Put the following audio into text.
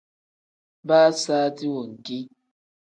Baa saati wenki.